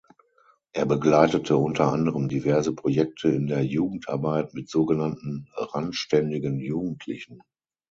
Er begleitete unter anderem diverse Projekte in der Jugendarbeit mit sogenannten randständigen Jugendlichen.